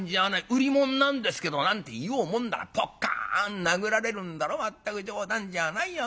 『売り物なんですけど』なんて言おうもんならポッカン殴られるんだろまったく冗談じゃないよ